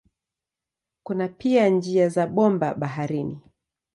Kuna pia njia za bomba baharini.